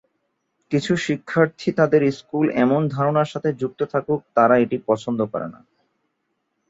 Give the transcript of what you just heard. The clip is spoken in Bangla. কিছু শিক্ষার্থী তাদের স্কুল এমন ধারণার সাথে যুক্ত থাকুক তারা এটা পছন্দ করে না।